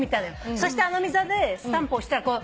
そしてあの溝でスタンプ押したらこう。